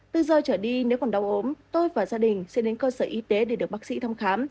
từ giờ trở đi nếu còn đau ốm tôi và gia đình sẽ đến cơ sở y tế để được bác sĩ thăm khám